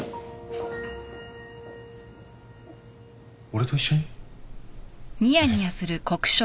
俺と一緒に？